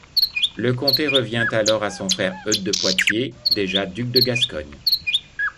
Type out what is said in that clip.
Le comté revient alors à son frère Eudes de Poitiers, déjà duc de Gascogne.